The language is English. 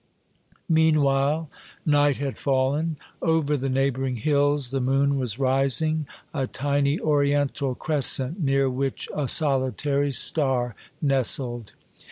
Meanwhile night had fallen. Over the neighbor ing hills the moon was rising, a tiny Oriental cres cent, near which a solitary star nestled.